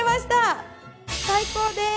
最高です！